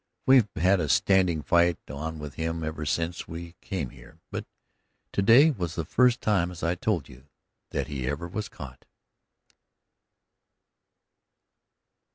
We've had a standing fight on with him ever since we came here, but today was the first time, as I told you, that he ever was caught.